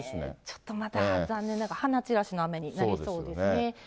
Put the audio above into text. ちょっとまだ残念ながら花散らしの雨になりそうですね。